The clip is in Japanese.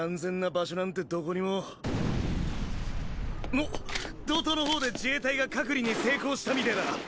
おっ道東の方で自衛隊が隔離に成功したみてぇだ。